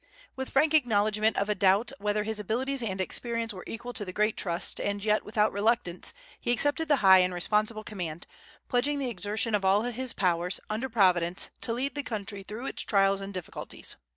With frank acknowledgment of a doubt whether his abilities and experience were equal to the great trust, and yet without reluctance, he accepted the high and responsible command, pledging the exertion of all his powers, under Providence, to lead the country through its trials and difficulties.